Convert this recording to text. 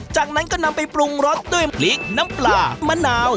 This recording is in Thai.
จากนั้นก็นำไปปรุงรสด้วยพริกน้ำปลามะนาว